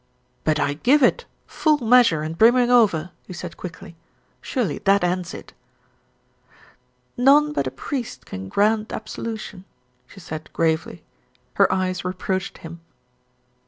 "But I give it full measure and brimming over," he said quickly. "Surely that ends it." "None but a priest can grant absolution," she said gravely. Her eyes reproached him.